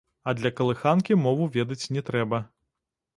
А для калыханкі мову ведаць не трэба.